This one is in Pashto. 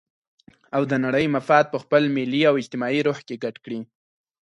او د نړۍ مفاد په خپل ملي او اجتماعي روح کې ګډ کړي.